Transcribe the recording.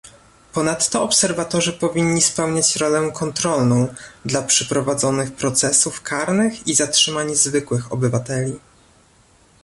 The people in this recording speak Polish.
Ponadto obserwatorzy powinni spełniać rolę kontrolną dla przeprowadzonych procesów karnych i zatrzymań zwykłych obywateli